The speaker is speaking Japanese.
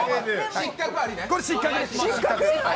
これ、失格です。